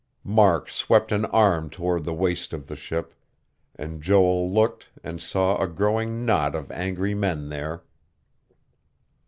Mark swept an arm toward the waist of the ship, and Joel looked and saw a growing knot of angry men there.